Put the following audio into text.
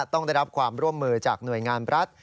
ต้องได้รับความร่วมมือจากหน่วยงานรัฐ